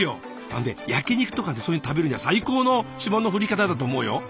焼き肉とかでそういうの食べるには最高の霜の降り方だと思うよ。